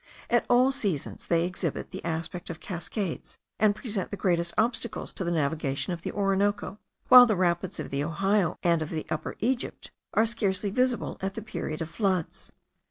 At all seasons they exhibit the aspect of cascades, and present the greatest obstacles to the navigation of the Orinoco, while the rapids of the Ohio and of Upper Egypt are scarcely visible at the period of floods.